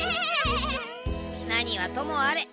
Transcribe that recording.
何はともあれ。